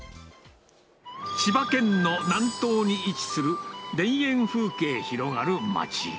千葉県の南東に位置する、田園風景広がる町。